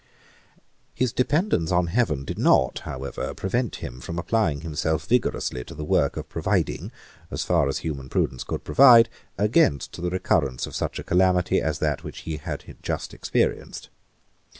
His dependence on heaven did not, however, prevent him from applying himself vigorously to the work of providing, as far as human prudence could provide, against the recurrence of such a calamity as that which he had just experienced.